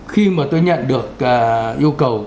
khi mà tôi nhận được yêu cầu